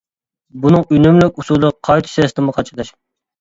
بۇنىڭ ئۈنۈملۈك ئۇسۇلى قايتا سىستېما قاچىلاش.